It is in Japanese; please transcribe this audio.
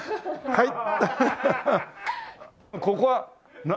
はい。